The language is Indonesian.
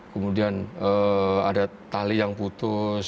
kemudian ada tali yang putus